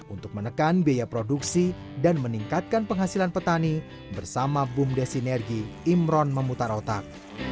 untuk menekan biaya produksi dan meningkatkan penghasilan petani bersama bumdes sinergi imron memutar otak